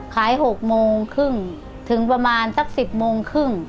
ขายหกโมงครึ่งถึงประมาณสักสิบโมงครึ่ง